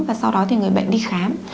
và sau đó thì người bệnh đi khám